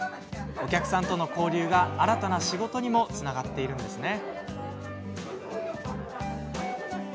お客さんとの交流が新たな仕事にもつながっているんですね。